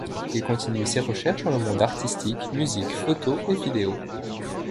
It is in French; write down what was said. Il continue ses recherches dans le monde artistique, musique, photo et video.